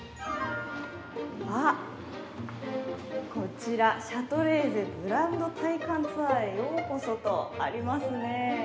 あっ、こちら、「シャトレーゼブランド体感ツアーへようこそ」とありますね。